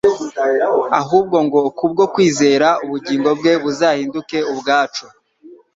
ahubwo ngo kubwo kwizera, ubugingo bwe buzahinduke ubwacu.